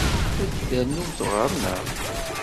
Ad d-ternumt ɣer-neɣ?